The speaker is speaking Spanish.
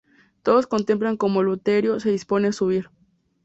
Todos contemplan como Eleuterio se dispone a subir.